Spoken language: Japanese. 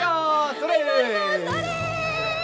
それ！